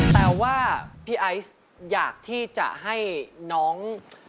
แต่ว่าพี่ไอซ์อยากที่จะให้น้อง